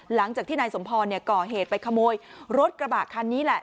หลังจากที่นายสมพรก่อเหตุไปขโมยรถกระบะคันนี้แหละ